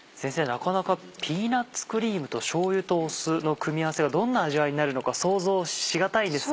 なかなかピーナッツクリームとしょうゆと酢の組み合わせがどんな味わいになるのか想像し難いですが。